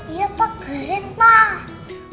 iya pak keren pak